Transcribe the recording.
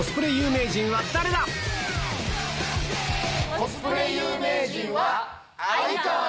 コスプレ有名人は。